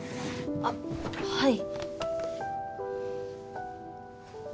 あっはい。